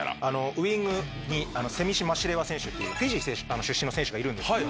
ウイングにセミシ・マシレワ選手っていうフィジー出身の選手がいるんですけど。